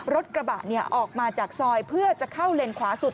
รถกระบะออกมาจากซอยเพื่อจะเข้าเลนขวาสุด